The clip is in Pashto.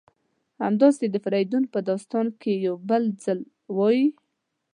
همداسې د فریدون په داستان کې یو بل ځل وایي: